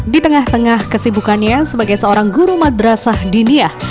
di tengah tengah kesibukannya sebagai seorang guru madrasah diniah